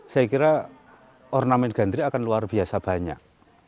saya kira ornamen gandrik akan luar biasa banyak